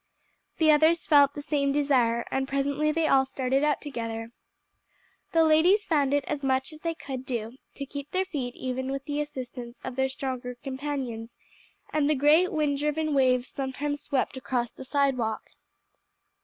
The others felt the same desire, and presently they all started out together. The ladies found it as much as they could do to keep their feet even with the assistance of their stronger companions, and the great, wind driven waves sometimes swept across the sidewalk.